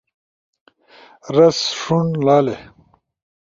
رس، ݜُون -لالے